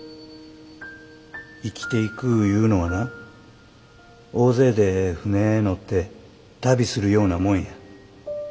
生きていくいうのはな大勢で船へ乗って旅するようなもんや。